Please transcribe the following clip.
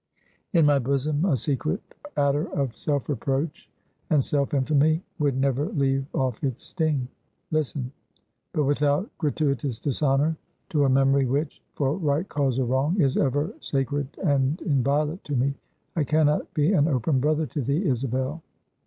In my bosom a secret adder of self reproach and self infamy would never leave off its sting. Listen. But without gratuitous dishonor to a memory which for right cause or wrong is ever sacred and inviolate to me, I can not be an open brother to thee, Isabel.